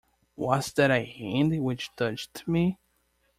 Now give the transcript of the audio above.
Was that a hand which touched me?